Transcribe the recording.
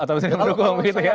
kalau saya yakin beliau dukung